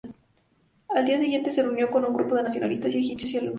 Al día siguiente, se reunió con un grupo de nacionalistas egipcios y ulemas.